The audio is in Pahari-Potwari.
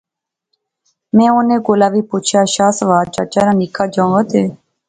میں انیں کولا وی پچھیا، شاہ سوار چچے ناں نکا جنگت۔۔۔۔؟